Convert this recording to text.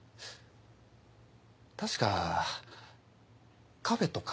確かカフェとか。